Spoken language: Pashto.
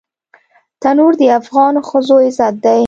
تنور د افغانو ښځو عزت دی